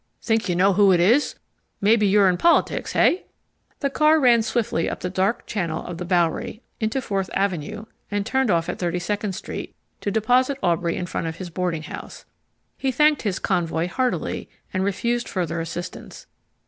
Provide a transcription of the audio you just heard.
"Think you know who it is? Maybe you're in politics, hey?" The car ran swiftly up the dark channel of the Bowery, into Fourth Avenue, and turned off at Thirty Second Street to deposit Aubrey in front of his boarding house. He thanked his convoy heartily, and refused further assistance.